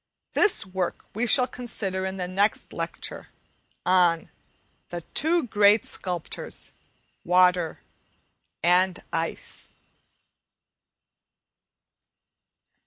This work we shall consider in the next lecture, on "The two great Sculptors Water and Ice."